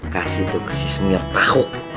kasih tuh ke si senior pahu